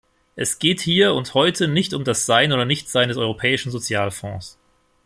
Es geht hier und heute nicht um das Sein oder Nichtsein des Europäischen Sozialfonds.